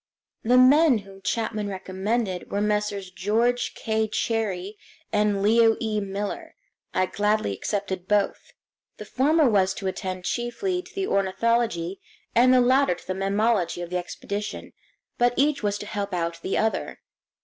The men whom Chapman recommended were Messrs. George K. Cherrie and Leo E. Miller. I gladly accepted both. The former was to attend chiefly to the ornithology and the latter to the mammalogy of the expedition; but each was to help out the other.